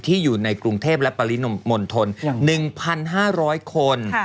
อยู่ในกรุงเทพและปริมณฑล๑๕๐๐คน